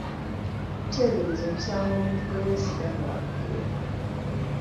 Teebereza okusanga omuntu gwe weesiga nga akugeya!